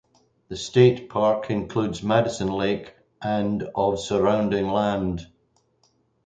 The state park includes Madison Lake and of surrounding land.